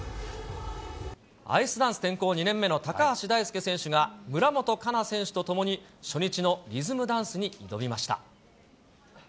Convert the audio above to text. アイスダンス転向２年目の高橋大輔選手が、村元哉中選手と共に初日のリズムダンスに挑みました。